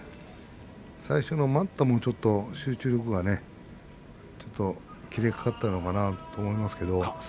最初の待ったも集中力が切れかかったのかなと思います。